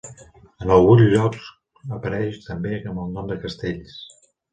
En alguns llocs apareix també amb el nom de Castells.